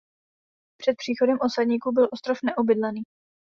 Před příchodem osadníků byl ostrov neobydlený.